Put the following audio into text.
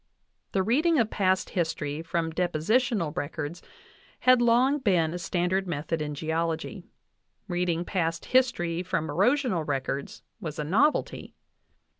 The reading of past history from depositional records had long been a standard method in geology; reading past history from ero sional records was a novelty.